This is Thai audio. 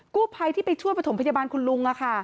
กู้ภัยที่ไปช่วยประถมพยาบาลคุณลุง